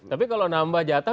tapi kalau nambah jatah